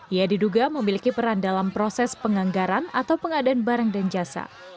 ia diduga memiliki peran dalam proses penganggaran atau pengadaan barang dan jasa